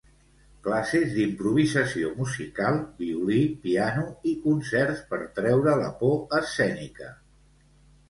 Classes d'improvisació musical, violí, piano i concerts per treure la por escènica.